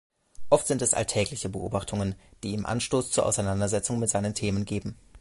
Oft sind es alltägliche Beobachtungen, die ihm Anstoß zur Auseinandersetzung mit seinen Themen geben.